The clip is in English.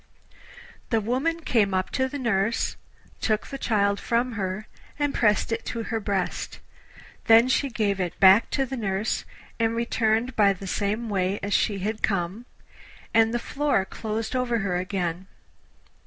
The woman came up to the nurse, took the child from her, and pressed it to her breast; then she gave it back to the nurse and returned by the same way as she had come, and the floor closed over her again.